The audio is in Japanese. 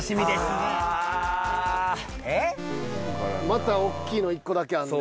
またおっきいの１個だけあんねん。